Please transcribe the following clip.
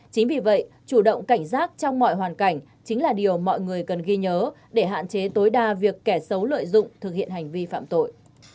chính vì vậy chủ động cảnh giác trong mọi hoàn cảnh chính là điều mọi người cần ghi nhớ để hạn chế tối đa việc kẻ xấu lợi dụng thực hiện hành vi phạm tội